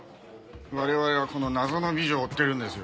我々はこの謎の美女を追ってるんですよ。